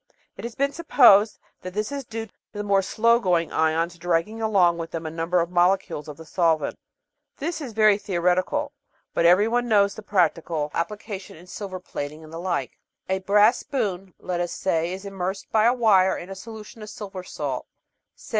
It has been supposed that this is due to the more slow going ions dragging along with them a number of molecules of the solvent. This is very theoretical, but every one knows the practical The Outline of Science application in silver plating and the like. A brass spoon, let us say, is immersed by a wire in a solution of a silver salt (say.